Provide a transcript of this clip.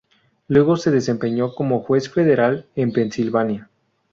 Luego se desempeñó como juez federal en Pensilvania.